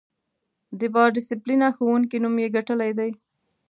د با ډسیپلینه ښوونکی نوم یې ګټلی دی.